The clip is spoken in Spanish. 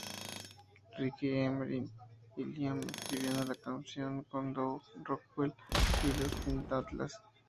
Ricky, Emery y Liam escribiendo la canción con Doug Rockwell y Dustin Atlas.